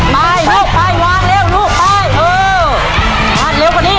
ไปลูกไปวางเร็วลูกไปเออทานเร็วกว่านี้